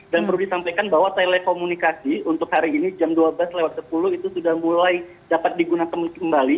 dan perlu disampaikan bahwa telekomunikasi untuk hari ini jam dua belas sepuluh itu sudah mulai dapat digunakan kembali